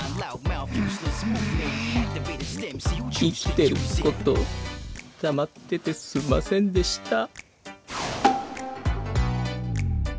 生きてること黙っててすんませんでした。